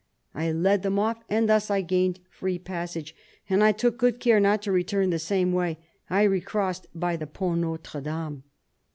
' I led them off, and thus I gained free passage, and I took good care not to return the same way; 1 recrossed by the Pont Notre Dame."